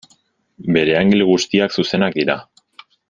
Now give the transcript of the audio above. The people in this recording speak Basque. Bere angelu guztiak zuzenak dira.